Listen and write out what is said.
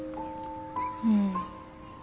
うん。